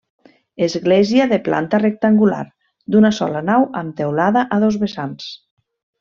Església de planta rectangular, d'una sola nau amb teulada a dos vessants.